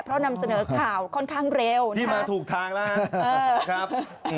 เพราะนำเสนอข่าวค่อนข้างเร็วนี่มาถูกทางแล้วครับ